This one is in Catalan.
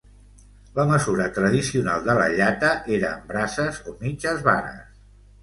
La mesura tradicional de la llata era en braces o mitges vares.